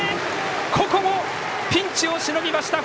ここもピンチをしのぎました！